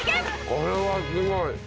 これはすごい！